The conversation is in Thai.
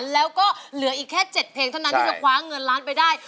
แล้วก็เหลืออีกแค่๗เพลงเท่านั้นที่จะคว้าเงินล้านไปได้